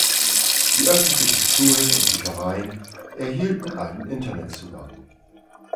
Die öffentlichen Schulen und Büchereien erhielten einen Internetzugang.